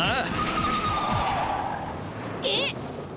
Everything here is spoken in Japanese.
えっ？